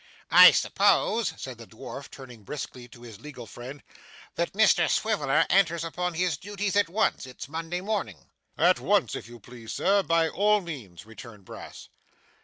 'I suppose,' said the dwarf, turning briskly to his legal friend, 'that Mr Swiveller enters upon his duties at once? It's Monday morning.' 'At once, if you please, Sir, by all means,' returned Brass.